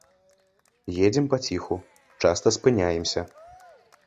Едзем паціху, часта спыняемся.